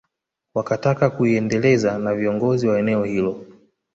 Wakataka kuiendeleza na viongozi wa eneo hilo